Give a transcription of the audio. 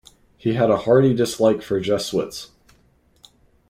He had a hearty dislike for Jesuits.